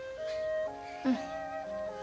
うん。